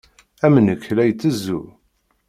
Am nekk la itezzu.